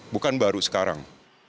bukan baru sekarang